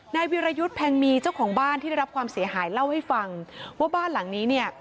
วิรยุทธ์แพงมีเจ้าของบ้านที่ได้รับความเสียหายเล่าให้ฟังว่าบ้านหลังนี้เนี่ย